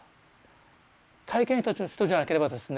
体験した人じゃなければですね